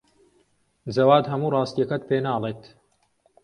جەواد هەموو ڕاستییەکەت پێ ناڵێت.